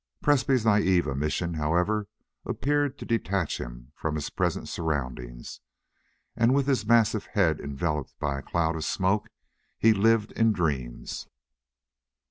Presbrey's naive admission, however, appeared to detach him from his present surroundings, and with his massive head enveloped by a cloud of smoke he lived in dreams.